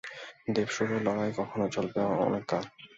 দেবাসুরের লড়াই এখনও চলবে অনেক কাল।